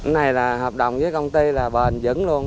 này là hợp đồng với công ty là bền dững luôn